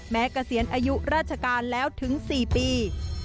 เกษียณอายุราชการแล้วถึง๔ปี